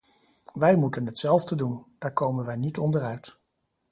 Wij moeten hetzelfde doen; daar komen wij niet onderuit.